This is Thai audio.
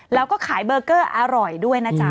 แล้วก็ขายเบอร์เกอร์อร่อยด้วยนะจ๊ะ